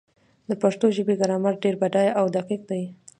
د پښتو ژبې ګرامر ډېر بډایه او دقیق دی.